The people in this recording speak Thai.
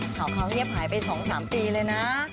ข่าวเขาเงียบหายไป๒๓ปีเลยนะ